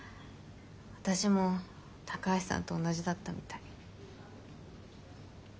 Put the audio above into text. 私も高橋さんと同じだったみたい。